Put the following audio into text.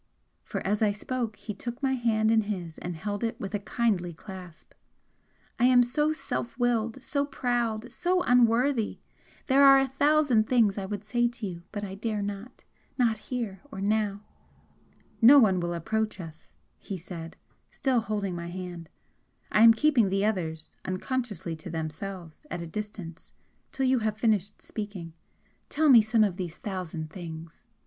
For as I spoke he took my hand in his and held it with a kindly clasp "I am so self willed, so proud, so unworthy! There are a thousand things I would say to you, but I dare not not here, or now!" "No one will approach us," he said, still holding my hand "I am keeping the others, unconsciously to themselves, at a distance till you have finished speaking. Tell me some of these thousand things!"